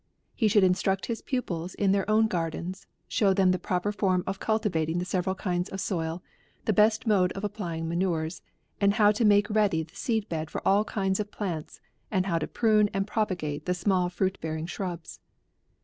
He should instruct his pupils in their own gardens, show them the proper form of culti vating the several kinds of soil, the best mode of applying manures, and how to make rea dy the seed bed for all kinds of plants, and how to prune and propagate the small fruit bearing shrubs.